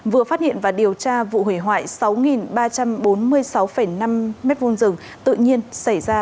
vừa phát hiện và điều tra vụ hủy hoại sáu ba trăm bốn mươi sáu năm m hai rừng tự nhiên xảy ra